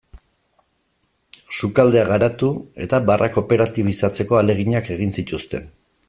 Sukaldea garatu eta barra kooperatibizatzeko ahaleginak egin zituzten.